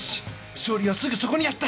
勝利はすぐそこにあった。